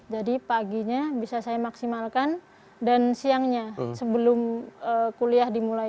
jadi paginya bisa saya maksimalkan dan siangnya sebelum kuliah dimulai